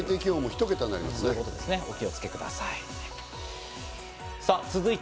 お気をつけください。